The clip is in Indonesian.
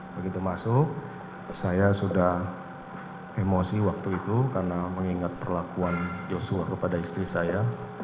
begitu masuk saya sudah emosi waktu itu karena mengingat perlakuan joshua kepada istri saya